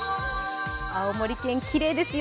青森県、きれいですよ。